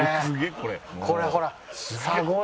これほら。